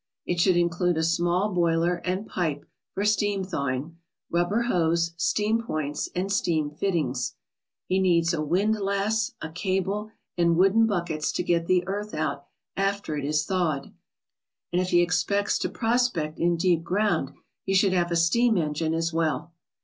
It should include a small boiler and pipe for steam thawing, rubber hose, steam points, and steam fittings. He needs a windlass, a cable, and wooden buckets to get the earth out after it is thawed, and if he expects to prospect in deep ground he should have a steam engine as well.